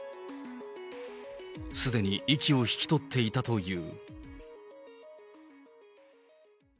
すでに息を引き取っていたという。